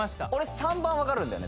３番わかるんだよね